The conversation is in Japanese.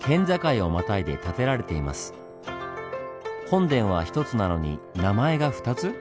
本殿は１つなのに名前が２つ⁉